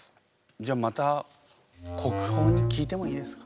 じゃあまた国宝に聞いてもいいですか？